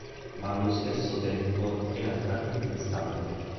Ma allo stesso tempo è altamente instabile.